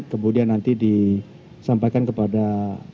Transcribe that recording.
kemudian nanti disampaikan kepada dpr ri